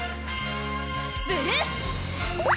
ブルー！